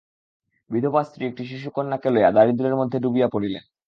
বিধবা স্ত্রী একটি শিশুকন্যাকে লইয়া দারিদ্র্যের মধ্যে ডুবিয়া পড়িলেন।